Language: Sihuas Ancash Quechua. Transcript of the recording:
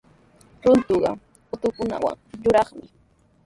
Runtuqa utkunaw yuraqmi.